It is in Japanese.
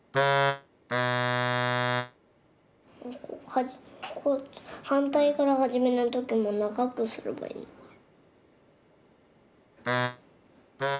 はじはんたいからはじめないときもながくすればいいのかな。